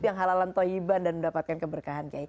yang halalan tohiban dan mendapatkan keberkahan